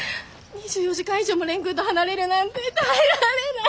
２４時間以上も蓮くんと離れるなんて耐えられない！